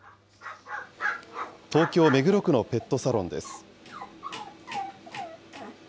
東京・目黒区のペットサロンです。